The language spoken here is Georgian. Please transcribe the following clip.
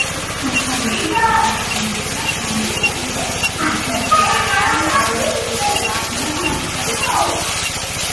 დასავლეთით გადაჭიმულია ანდების მთები და ალტიპლანოს პლატო.